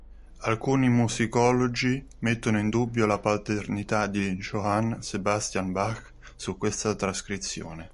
Alcuni musicologi mettono in dubbio la paternità di Johann Sebastian Bach su questa trascrizione.